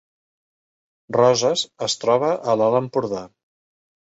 Roses es troba a l’Alt Empordà